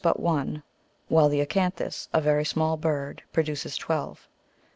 but one, while the acanthis,*^ a very small bird, produces twelve.